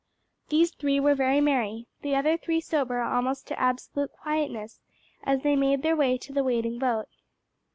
These three were very merry, the other three sober almost to absolute quietness as they made their way to the waiting boat.